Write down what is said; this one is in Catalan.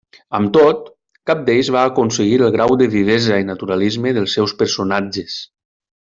Amb tot, cap d'ells va aconseguir el grau de vivesa i naturalisme dels seus personatges.